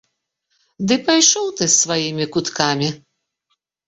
Да пайшоў ты з сваімі куткамі!